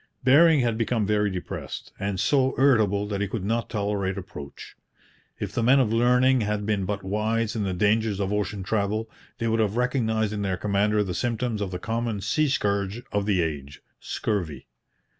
Bering had become very depressed, and so irritable that he could not tolerate approach. If the men of learning had been but wise in the dangers of ocean travel, they would have recognized in their commander the symptoms of the common sea scourge of the age scurvy.